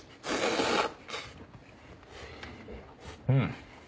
うん。